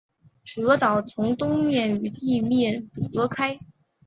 鹅岛从东面与陆地隔开。